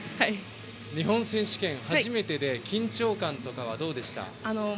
日本選手権、初めてで緊張感とかはどうでしたか？